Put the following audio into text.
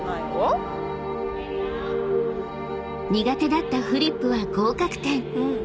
［苦手だったフリップは合格点。